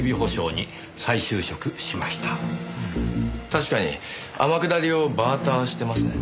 確かに天下りをバーターしてますね。